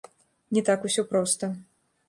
Не так усё проста.